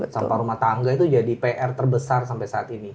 sampah rumah tangga itu jadi pr terbesar sampai saat ini